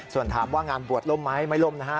ส่วนถามว่างานบวชล่มไหมไม่ล่มนะฮะ